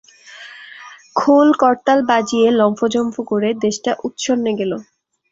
খোল-করতাল বাজিয়ে লম্ফঝম্প করে দেশটা উৎসন্নে গেল।